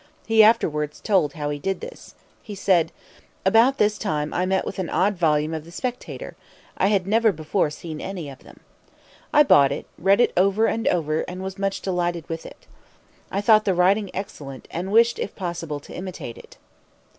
He afterwards told how he did this. He said: "About this time I met with an odd volume of the Spectator. I had never before seen any of them. "I bought it, read it over and over, and was much delighted with it. "I thought the writing excellent, and wished if possible to imitate it.